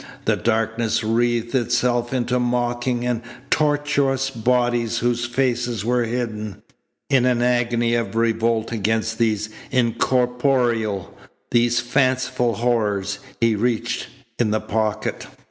The darkness wreathed itself into mocking and tortuous bodies whose faces were hidden. In an agony of revolt against these incorporeal, these fanciful horrors, he reached in the pocket.